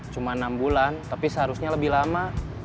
cuma enam bulan tapi seharusnya lebih lama